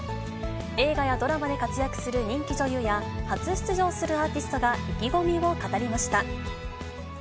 映画やドラマで活躍する人気女優や、初出場するアーティストが意気込みを語りました。